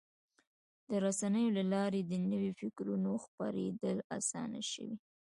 د رسنیو له لارې د نوي فکرونو خپرېدل اسانه شوي.